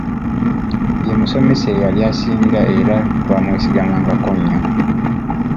Ye musomesa eyali asinga era twamwesigamangako nnyo.